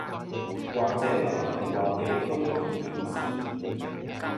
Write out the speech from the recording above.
或者留言話俾區議員知